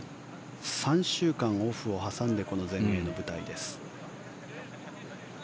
３週間オフを挟んでこの全英の舞台です。